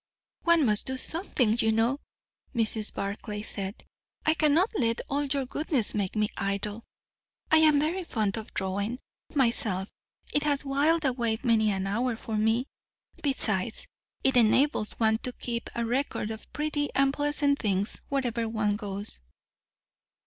"One must do something, you know," Mrs. Bar clay said. "I cannot let all your goodness make me idle. I am very fond of drawing, myself; it has whiled away many an hour for me. Besides, it enables one to keep a record of pretty and pleasant things, wherever one goes."